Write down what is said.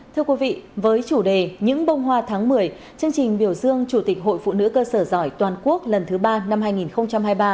thưa quý vị với chủ đề những bông hoa tháng một mươi chương trình biểu dương chủ tịch hội phụ nữ cơ sở giỏi toàn quốc lần thứ ba năm hai nghìn hai mươi ba